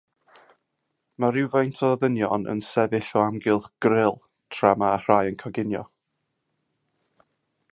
Mae rhywfaint o ddynion yn sefyll o amgylch gril tra mae rhai yn coginio.